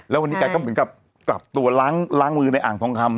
แล้ววันนี้แกก็เหมือนกับกลับตัวล้างมือในอ่างทองคำ